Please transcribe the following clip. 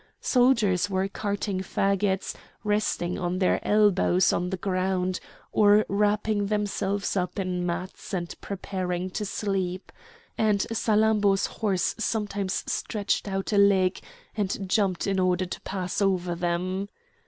Soldiers were carting faggots, resting on their elbows on the ground, or wrapping themselves up in mats and preparing to sleep; and Salammbô's horse sometimes stretched out a leg and jumped in order to pass over them.